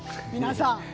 皆さん。